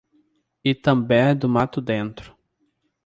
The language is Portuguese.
Itambé do Mato Dentro